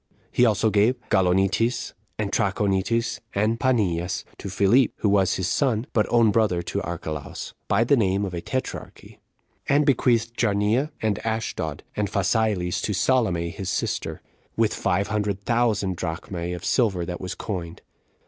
He also gave Gaulonitis, and Trachonitis, and Paneas to Philip, who was his son, but own brother to Archelaus 10 by the name of a tetrarchy; and bequeathed Jarnnia, and Ashdod, and Phasaelis to Salome his sister, with five hundred thousand [drachmae] of silver that was coined.